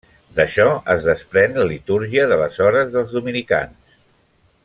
D'això es desprèn la litúrgia de les hores dels dominicans.